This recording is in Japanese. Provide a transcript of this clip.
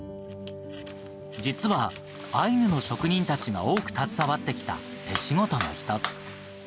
実はアイヌの職人たちが多く携わってきた手仕事の一つ。